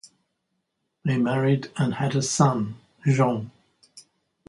They married and had a son, Jean.